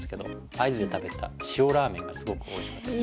会津で食べた塩ラーメンがすごくおいしかったです。